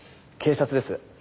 警察です。